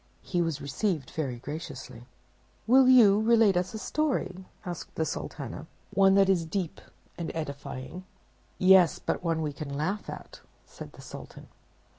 He was received very graciously. "Will you relate us a story?" said the Sultana; "one that is deep and edifying." "Yes, but one that we can laugh at," said the Sultan.